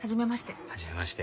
はじめまして。